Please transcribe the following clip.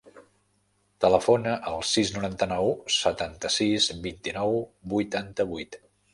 Telefona al sis, noranta-nou, setanta-sis, vint-i-nou, vuitanta-vuit.